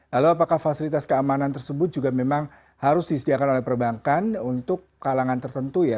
lalu apakah fasilitas keamanan tersebut juga memang harus disediakan oleh perbankan untuk kalangan tertentu ya